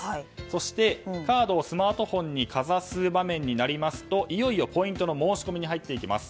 そして、カードをスマートフォンにかざす場面になりますといよいよポイントの申し込みに入ります。